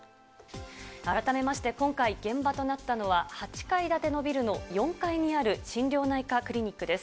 改めまして、今回現場となったのは８階建てのビルの４階にある心療内科クリニックです。